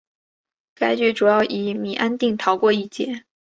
该剧主要以米安定逃过一劫。